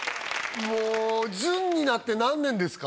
もうずんになって何年ですか？